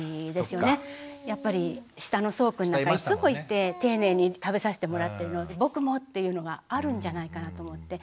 やっぱり下のそうくんなんかいつもいて丁寧に食べさせてもらってるので僕も！っていうのがあるんじゃないかなと思って。